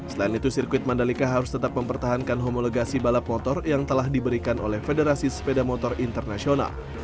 selain itu sirkuit mandalika harus tetap mempertahankan homolegasi balap motor yang telah diberikan oleh federasi sepeda motor internasional